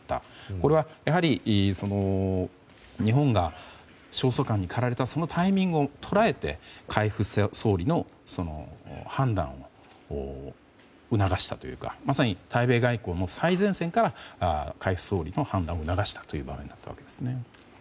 これは日本が焦燥感にかられたそのタイミングを捉えて海部総理に判断を促したというかまさに対米外交の最前線から海部総理に判断を促したということですね。